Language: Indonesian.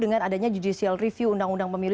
dengan adanya judicial review undang undang pemilu